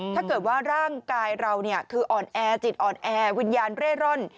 ถ้าเกิดว่าร่างกายเราคืออ่อนแอจิตอ่อนแอวิญญาณเร่ร่อน